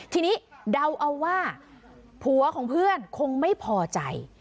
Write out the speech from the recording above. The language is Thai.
ทีนี้เดาเอาว่าผัวของเพื่อนคงไม่พอใจ